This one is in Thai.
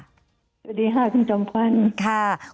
สวัสดีค่ะคุณจำควัน